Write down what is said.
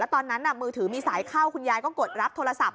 ตอนนั้นมือถือมีสายเข้าคุณยายก็กดรับโทรศัพท์